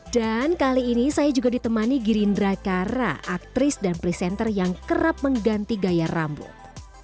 dan kali ini saya juga ditemani girindra kara aktris dan presenter yang kerap mengganti gaya rambut